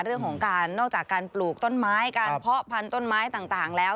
เรื่องของการนอกจากการปลูกต้นไม้การเพาะพันธุ์ต้นไม้ต่างแล้ว